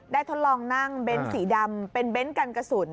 ทดลองนั่งเน้นสีดำเป็นเน้นกันกระสุน